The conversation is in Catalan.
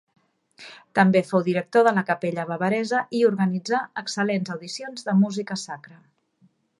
També fou director de la Capella bavaresa i organitzà excel·lents audicions de música sacra.